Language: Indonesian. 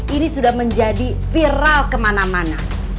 ini sudah menjadi viral kemana mana